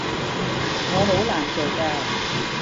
我好難做㗎